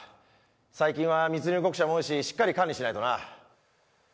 最近は密入国者も多いししっかり管理しないとな。